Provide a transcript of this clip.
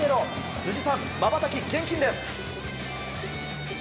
辻さん、まばたき厳禁です！